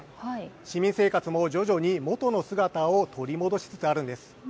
市民生活も徐々にもとの姿を取り戻しつつあるんです。